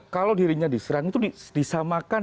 kalau dirinya diserang itu disamakan